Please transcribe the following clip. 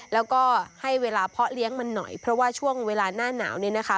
แล้วก็ให้เวลาเพาะเลี้ยงมันหน่อยเพราะว่าช่วงเวลาหน้าหนาวเนี่ยนะคะ